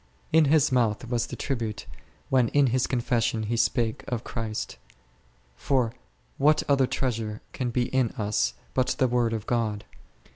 In his mouth was the tribute, when in his confession he spake of Christ ; for what other treasure can be in us but the Word of God